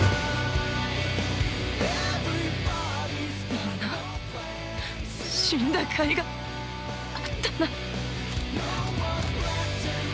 みんな死んだ甲斐があったな。